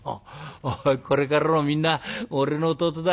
おいこれからもみんな俺の弟だ。